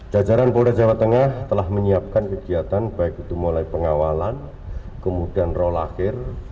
jajaran polda jawa tengah telah menyiapkan kegiatan baik itu mulai pengawalan kemudian roll akhir